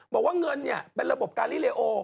บอกว่าเงินเป็นระบบการีเลโอ